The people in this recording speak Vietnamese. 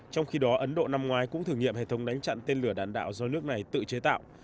trong khi đó ấn độ năm ngoái cũng thử nghiệm hệ thống đánh chặn tên lửa đạn đạo do nước này tự chế tạo